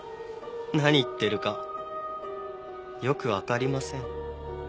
何言ってるかよくわかりません。